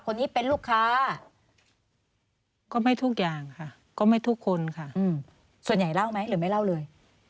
คนนี้เป็นลูกค้าก็ไม่ทุกอย่างค่ะก็ไม่ทุกคนค่ะส่วนใหญ่เล่าไหมหรือไม่เล่าเลย